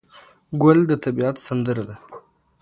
ګل د طبیعت سندره ده.